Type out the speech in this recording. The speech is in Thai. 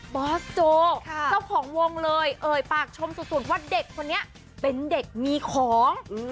บอสโจเจ้าของวงเลยเอ่ยปากชมสุดว่าเด็กคนนี้เป็นเด็กมีของ